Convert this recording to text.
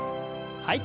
はい。